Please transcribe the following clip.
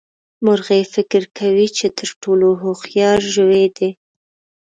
مرغۍ فکر کوي چې تر ټولو هوښيار ژوي دي.